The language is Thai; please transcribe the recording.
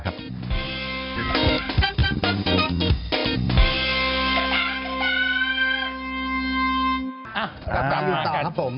กลับมารูปต่อครับผม